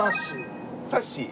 さっしー。